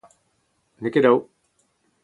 N’eo ket dav.